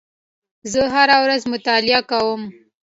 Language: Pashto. زه هره ورځ مطالعه کوم.